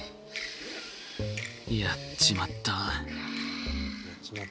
「やっちまった」。